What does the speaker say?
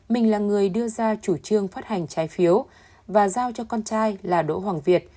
mình là người đưa ra chủ trương phát hành trái phiếu và giao cho con trai là đỗ hoàng việt